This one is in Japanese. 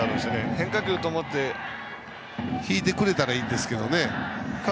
変化球と思って引いてくれたらいいんですけどね。